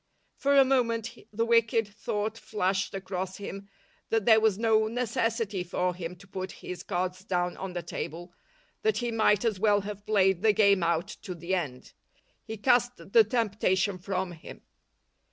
For a moment the wicked thought flashed across him that there was no necessity for him to put his cards down on the table, that he might as well have played the game out to the end. He cast the temptation from him.